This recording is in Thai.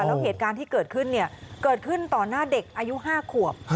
แล้วเหตุการณ์ที่เกิดขึ้นเกิดขึ้นต่อหน้าเด็กอายุ๕ขวบ